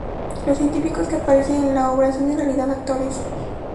Los científicos que aparecen en la obra son en realidad actores.